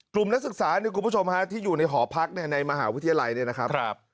กลุ่มนักศึกษาที่อยู่ในหอพักในมหาวิทยาลัยนะครับ